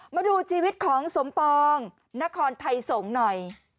มาดูชีวิตของสมปองนครไทยสงฆ์หน่อย